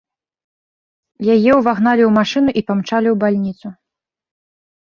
Яе ўвагналі ў машыну і памчалі ў бальніцу.